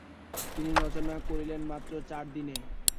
তিনি রচনা করেছিলেন মাত্র চারদিনে।